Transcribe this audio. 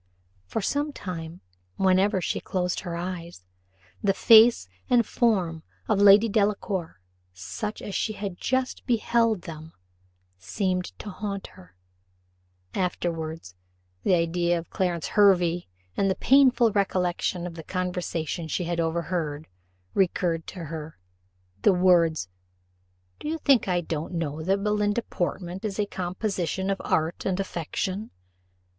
For some time, whenever she closed her eyes, the face and form of Lady Delacour, such as she had just beheld them, seemed to haunt her; afterwards, the idea of Clarence Hervey, and the painful recollection of the conversation she had overheard, recurred to her: the words, "Do you think I don't know that Belinda Portman is a composition of art and affectation?"